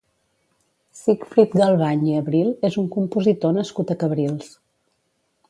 Sigfrid Galbany i Abril és un compositor nascut a Cabrils.